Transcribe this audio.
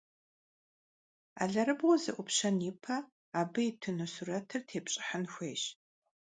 Алэрыбгъур зэIупщэн ипэ, абы итыну сурэтыр тепщIыхьын хуейщ.